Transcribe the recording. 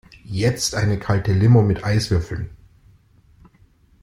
Jetzt eine kalte Limo mit Eiswürfeln!